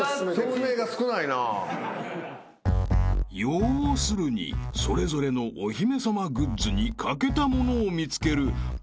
［要するにそれぞれのお姫さまグッズに欠けたものを見つける宝探しゲーム］